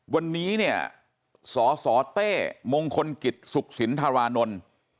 วันนี้เนี่ยสสเต้มงคลกิจสุขสินธารานนท์